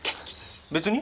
別に。